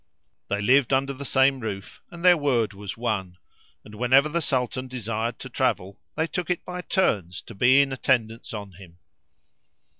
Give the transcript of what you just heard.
They lived under the same roof and their word was one; and whenever the Sultan desired to travel they took it by turns to be in attendance on him.